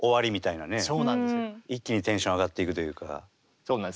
そうなんですよ。